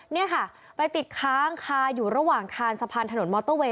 นี่ค่ะไปติดค้างคาอยู่ระหว่างคานสะพานถนนมอเตอร์เวย